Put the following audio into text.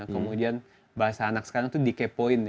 kemudian bahasa anak sekarang itu dikepoin